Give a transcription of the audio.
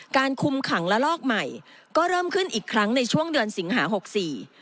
คุมขังละลอกใหม่ก็เริ่มขึ้นอีกครั้งในช่วงเดือนสิงหาหกสี่